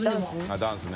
ダンスね。